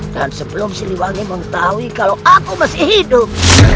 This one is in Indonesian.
dan sebelum siliwangi mengetahui kalau aku masih hidup